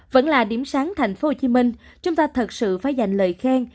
vẫn là điểm sáng thành phố hồ chí minh chúng ta thật sự phải dành lời khen